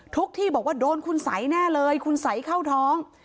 ที่บอกว่าโดนคุณสัยแน่เลยคุณสัยเข้าท้อง